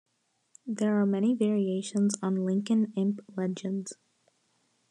There are many variations on Lincoln Imp legends.